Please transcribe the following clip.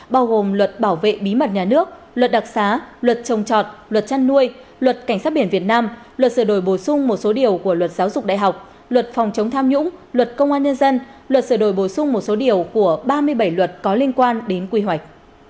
bao gồm luật bảo vệ bí mật nhà nước luật đặc xá luật trồng trọt luật chăn nuôi luật cảnh sát biển việt nam luật sửa đổi bổ sung một số điều của luật giáo dục đại học luật phòng chống tham nhũng luật công an nhân dân luật sửa đổi bổ sung một số điều của ba mươi bảy luật có liên quan đến quy hoạch